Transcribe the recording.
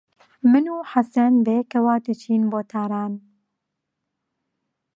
من و حەسەن بەیەکەوە دەچین بۆ تاران.